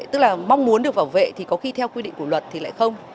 tức là mong muốn được bảo vệ thì có khi theo quy định của luật thì lại không